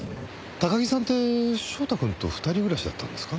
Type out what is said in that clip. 高木さんって翔太くんと２人暮らしだったんですか？